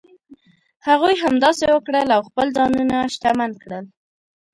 هغوی همداسې وکړل او خپل ځانونه شتمن کړل.